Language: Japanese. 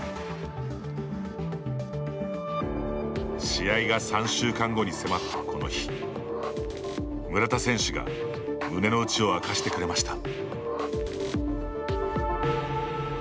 試合が３週間後に迫ったこの日村田選手が胸の内を明かしてくれました。